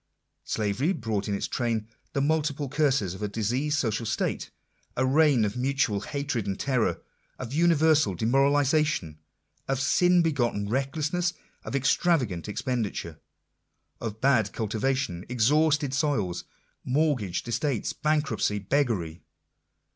Slavery brought in its train the multiplied curses of a diseased social state ; a reign of mutual hatred and terror ; of universal demoralization; of sin begotten recklessness; of extravagant expenditure; of bad cultivation, exhausted soils, mortgaged estates, bankruptcy, beggary.